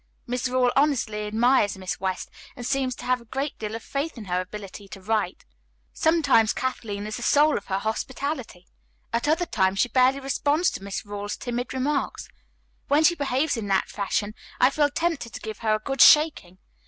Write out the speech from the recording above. Miss Rawle honestly admires Miss West and seems to have a great deal of faith in her ability to write. Sometimes Kathleen is the soul of hospitality. At other times she barely responds to Miss Rawle's timid remarks. When she behaves in that fashion I feel tempted to give her a good shaking.